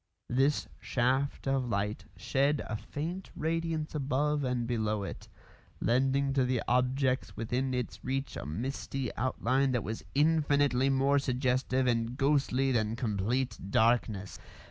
This shaft of light shed a faint radiance above and below it, lending to the objects within its reach a misty outline that was infinitely more suggestive and ghostly than complete darkness.